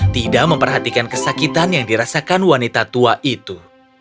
tidak memperhatikan kesakitan yang dirasakan wanita tua itu